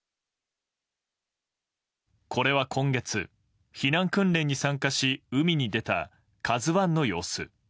これは今月、避難訓練に参加し海に出た、「ＫＡＺＵ１」の様子。